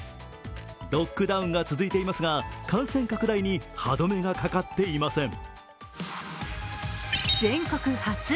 ロックダウンが続いていますが感染拡大に歯止めがかかっていません。